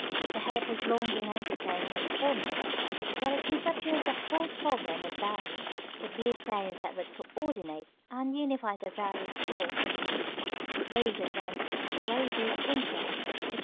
The hope has long been entertained by economists that a conception of the whole problem of value would be attained that would coördinate and unify the various "laws," those of rent, wages, interest, etc.